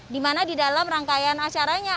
di mana di dalam rangkaian acaranya